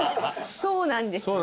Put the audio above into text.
そうなんですよね？